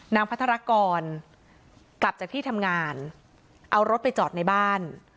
พัทรกรกลับจากที่ทำงานเอารถไปจอดในบ้าน